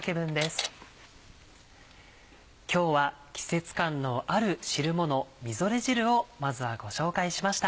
今日は季節感のある汁ものみぞれ汁をまずはご紹介しました。